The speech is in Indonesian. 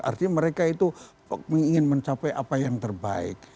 artinya mereka itu ingin mencapai apa yang terbaik